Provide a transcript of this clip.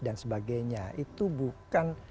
dan sebagainya itu bukan